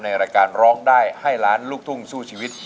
ในรายการร้องได้ให้ล้านลูกทุ่งสู้ชีวิต